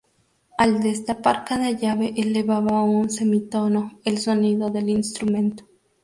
Al destapar cada llave elevaba un semitono el sonido del instrumento.